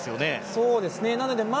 そうですね。